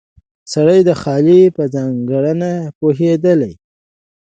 سړی د خاکې په ځانګړنه پوهېدلی و.